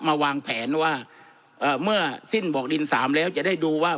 มาวางแผนว่าเอ่อเมื่อสิ้นบอกดินสามแล้วจะได้ดูว่า